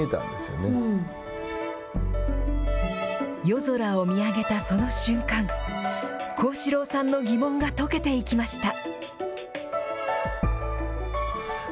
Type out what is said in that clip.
夜空を見上げたその瞬間、幸四郎さんの疑問が解けていきました。